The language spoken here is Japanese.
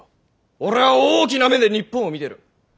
俺は大きな目で日本を見てる！